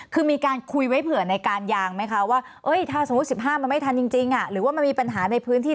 คือมีการคุยไว้เผื่อในการยางไหมคะว่าถ้าสมมุติ๑๕มันไม่ทันจริงหรือว่ามันมีปัญหาในพื้นที่